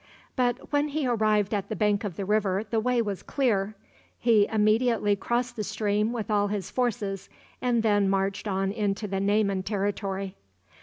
But when he arrived at the bank of the river the way was clear. He immediately crossed the stream with all his forces, and then marched on into the Nayman territory.